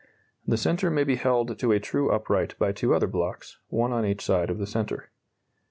The centre may be held to a true upright by two other blocks, one on each side of the centre.